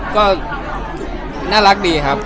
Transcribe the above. ก็น่ารักดีครับ